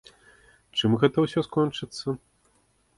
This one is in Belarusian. Чым гэта ўсё скончыцца?